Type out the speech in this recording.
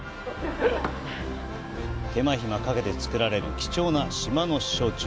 手間暇かけて造られる貴重な島の焼酎。